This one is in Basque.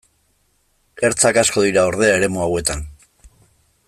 Ertzak asko dira, ordea, eremu hauetan.